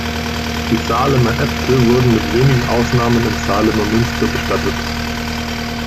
Die Salemer Äbte wurden mit wenigen Ausnahmen im Salemer Münster bestattet.